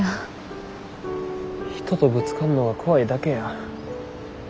人とぶつかんのが怖いだけや。